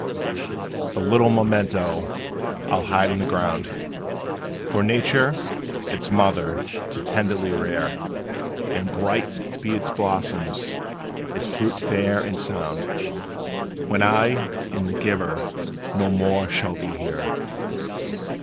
The little memento I 'll hide in the ground, For Nature, its mother, to tenderly rear; And bright be its blossoms its fruit fair and sound, When I and the giver no more shall be here!